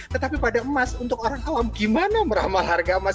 tetapi pada emas untuk orang awam gimana meramal harga emas